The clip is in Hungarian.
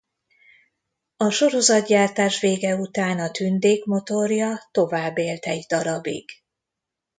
A sorozatgyártás vége után a Tündék motorja tovább élt egy darabig.